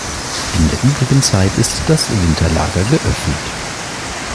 In der übrigen Zeit ist das Winterlager geöffnet.